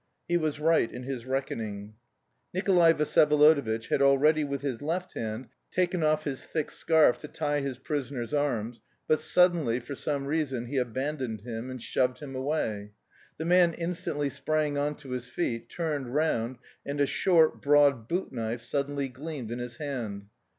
He was right in his reckoning. Nikolay Vsyevolodovitch had already with his left hand taken off his thick scarf to tie his prisoner's arms, but suddenly, for some reason, he abandoned him, and shoved him away. The man instantly sprang on to his feet, turned round, and a short, broad boot knife suddenly gleamed in his hand.